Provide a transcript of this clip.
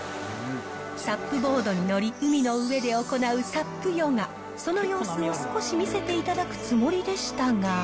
サップボードに乗り、海の上で行うサップヨガ、その様子を少し見せていただくつもりでしたが。